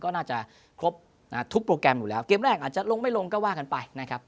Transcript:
ก็น่าจะครบทุกโปรแกรมอยู่แล้วเกมแรกอาจจะลงไม่ลงก็ว่ากันไปนะครับ